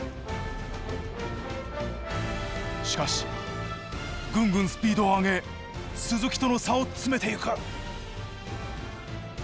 しかしぐんぐんスピードを上げ鈴木との差を詰めてゆく。